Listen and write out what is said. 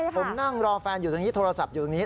ผมนั่งรอแฟนอยู่ตรงนี้โทรศัพท์อยู่ตรงนี้